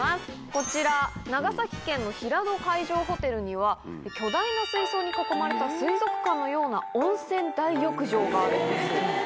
こちら、長崎県の平戸海上ホテルには、巨大な水槽に囲まれた、すいぞくかんのような温泉大浴場があるんです。